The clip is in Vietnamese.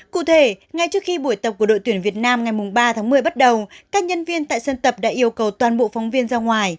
cụ thể ngay trước khi buổi tập của đội tuyển việt nam ngày ba tháng một mươi bắt đầu các nhân viên tại sân tập đã yêu cầu toàn bộ phóng viên ra ngoài